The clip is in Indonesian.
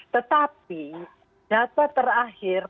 tetapi data terakhir